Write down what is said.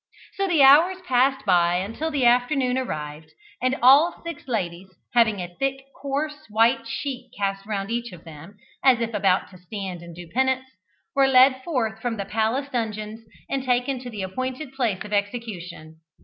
So the hours passed by until the afternoon arrived, and all six ladies, having a thick coarse white sheet cast round each of them, as if about to stand and do penance, were led forth from the palace dungeons and taken to the appointed place of execution.